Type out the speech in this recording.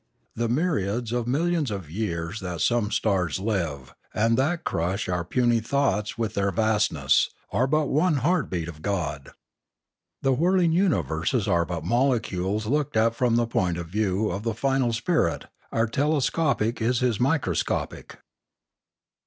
The myriads of millions of years that some stars live, and that crush our puny thoughts with their vastness, are but one heartbeat of God. The whirling universes are but molecules looked at from the view point of the final spirit ; our telescopic is his microscopic.